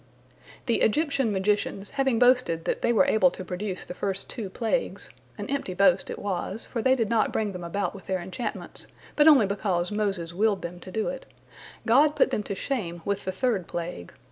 " The Egyptian magicians having boasted that they were able to produce the first two plagues,—an empty boast it was, for they did not bring them about with their enchantments, but only because Moses willed them to do it,—God put them to shame with the third plague.